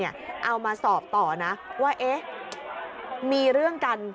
เอามาสอบต่อนะว่าเอ๊ะมีเรื่องกัน